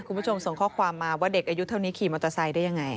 คุณผู้ชมส่งข้อความมาว่าเด็กอายุเท่านี้ขี่มอเตอร์ไซค์ได้ยังไง